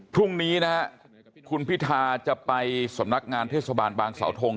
พรุ่งนี้นะฮะคุณพิธาจะไปสำนักงานเทศบาลบางสาวทง